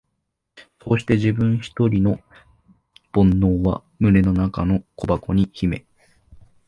そうして自分ひとりの懊悩は胸の中の小箱に秘め、